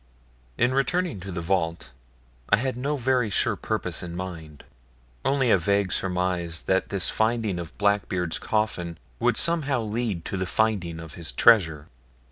In returning to the vault, I had no very sure purpose in mind; only a vague surmise that this finding of Blackbeard's coffin would somehow lead to the finding of his treasure.